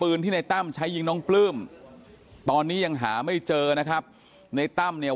ที่ในตั้มใช้ยิงน้องปลื้มตอนนี้ยังหาไม่เจอนะครับในตั้มเนี่ย